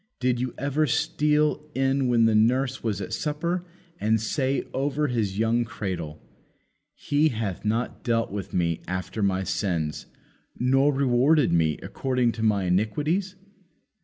Did you ever steal in when his nurse was at supper and say over his young cradle, He hath not dealt with me after my sins, nor rewarded me according to my iniquities?